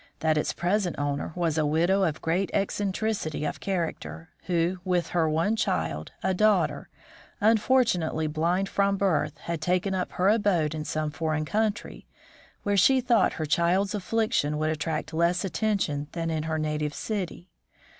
That its present owner was a widow of great eccentricity of character, who, with her one child, a daughter, unfortunately blind from birth, had taken up her abode in some foreign country, where she thought her child's affliction would attract less attention than in her native city.